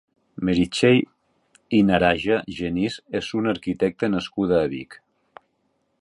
Meritxell Inaraja Genís és una arquitecta nascuda a Vic.